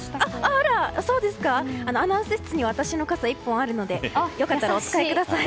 あら、アナウンス室に私の傘が１本あるのでよかったらお使いください。